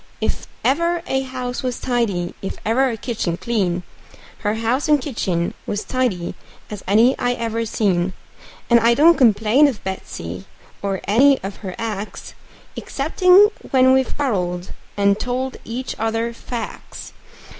And if ever a house was tidy, and ever a kitchen clean, Her house and kitchen was tidy as any I ever seen; And I don't complain of Betsey, or any of her acts, Exceptin' when we've quarreled, and told each other facts.